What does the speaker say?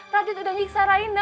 radit udah nyiksa raina